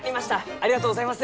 ありがとうございます！